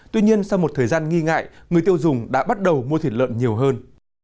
tuy nhiên sau một thời gian nghi ngại người tiêu dùng đã bắt đầu mua thịt lợn nhiều hơn